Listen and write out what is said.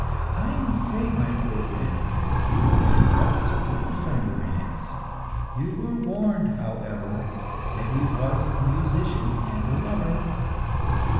I am afraid, my poor friend, you will have a troublesome business on your hands. You were warned, however, that he was a musician and a lover.